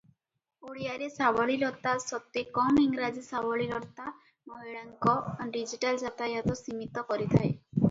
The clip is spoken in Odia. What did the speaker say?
ଓଡ଼ିଆରେ ସାବଲୀଳତା ସତ୍ତ୍ୱେ କମ ଇଂରାଜୀ ସାବଲୀଳତା ମହିଳାମାନଙ୍କ ଡିଜିଟାଲ ଯାତାୟାତ ସୀମିତ କରିଥାଏ ।